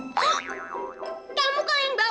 hm kamu kan yang bau